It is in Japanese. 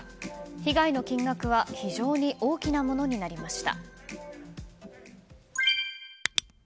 被害の金額は非常に大きなものになりました。